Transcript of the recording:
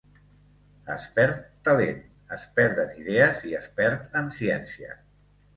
Es perd talent, es perden idees i es perd en ciència.